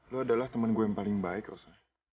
lo adalah temen gue yang paling baik rosa